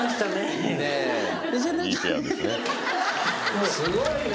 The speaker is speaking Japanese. もうすごいね。